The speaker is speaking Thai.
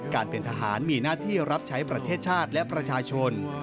การเป็นทหารมีหน้าที่รับใช้ประเทศชาติและประชาชน